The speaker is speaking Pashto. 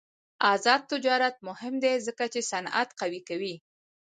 آزاد تجارت مهم دی ځکه چې صنعت قوي کوي.